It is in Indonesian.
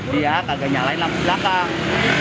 dia kagak nyalain lampu belakang